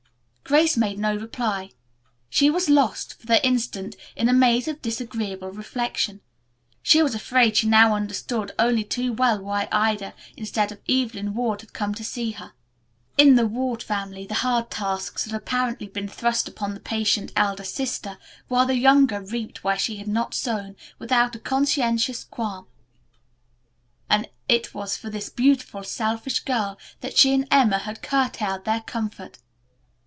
Grace made no reply. She was lost, for the instant, in a maze of disagreeable reflection. She was afraid she now understood only too well why Ida instead of Evelyn Ward had come to see her. In the Ward family the hard tasks had apparently been thrust upon the patient elder sister, while the younger reaped where she had not sown, without a conscientious qualm. And it was for this beautiful, selfish girl that she and Emma had curtailed their comfort.